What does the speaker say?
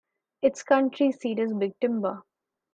Its county seat is Big Timber.